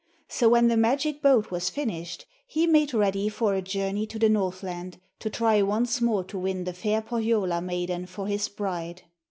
So when the magic boat was finished, he made ready for a journey to the Northland, to try once more to win the fair Pohjola maiden for his bride.